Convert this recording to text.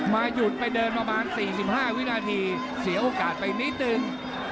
หยุดไปเดินประมาณ๔๕วินาทีเสียโอกาสไปนิดนึง